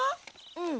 うん。